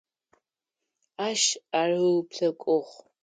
Ащ ар ыуплъэкӏугъ.